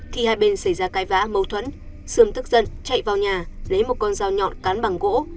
khi hai bên xảy ra cái vã mâu thuẫn sương tức dân chạy vào nhà lấy một con dao nhọn cán bằng gỗ